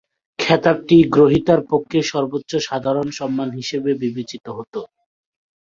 খেতাবটি গ্রহীতার পক্ষে সর্বোচ্চ সাধারণ সম্মান হিসেবে বিবেচিত হতো।